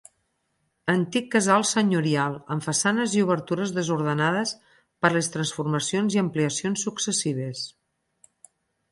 Antic casal senyorial, amb façanes i obertures desordenades per les transformacions i ampliacions successives.